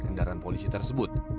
kondoran polisi tersebut